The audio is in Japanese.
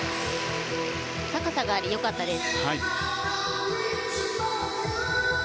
高さがあり、良かったです。